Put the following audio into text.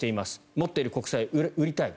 持っている国債を売りたい。